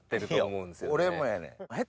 俺もやねん。